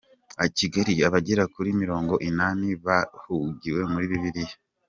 Kigali Abagera kuri Mirongo inani bahuguwe kuri Bibiliya